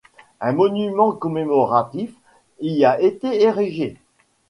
Un monument commémoratif y a été érigé.